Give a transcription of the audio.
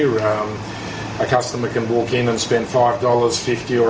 pemilik kita bisa berjalan ke sini dan membeli lima dolar lima puluh dolar atau satu ratus lima puluh dolar